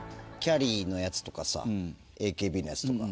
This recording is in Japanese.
ゃりーのやつとかさＡＫＢのやつとか。